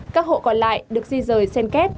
các hộ còn lại được di rời sen kết